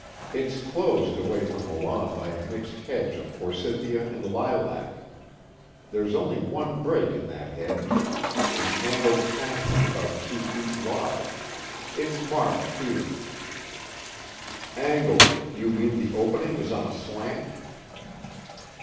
It's closed away from the lawn by a mixed hedge of forsythia and lilac. There's only one break in that hedge, an angled passage about two feet wide. It's marked here " "Angled you mean the opening is on a slant?"